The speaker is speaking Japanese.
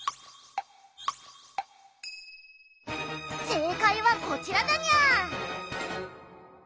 正解はこちらだにゃ！